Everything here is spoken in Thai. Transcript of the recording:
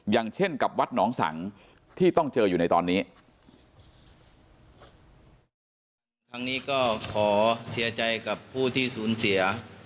อย่างเช่นกับวัดนองสังที่ต้องเจออยู่ในตอนนี้